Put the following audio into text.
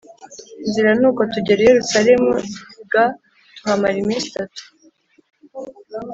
nzira Nuko tugera i Yerusalemu g tuhamara iminsi itatu